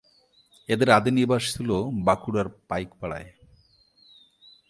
এঁদের আদি নিবাস ছিল বাঁকুড়ার পাইকপাড়ায়।